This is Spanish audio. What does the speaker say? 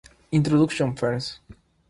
Introduction Ferns.